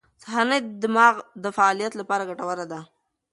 سهارنۍ د دماغ د فعالیت لپاره ګټوره ده.